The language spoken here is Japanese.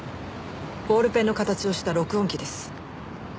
ボールペンの形をした録音機です。